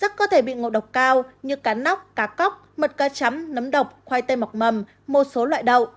rất có thể bị ngộ độc cao như cá nóc cá cóc mật ca chấm nấm độc khoai tây mọc mầm một số loại độc